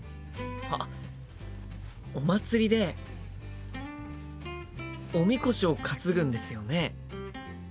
あっお祭りでおみこしを担ぐんですよね？